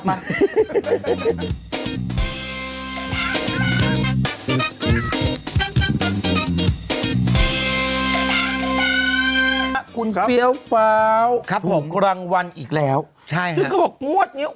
คุณเฟี้ยวฟ้าวครับถูกรางวัลอีกแล้วใช่ซึ่งเขาบอกงวดเนี้ย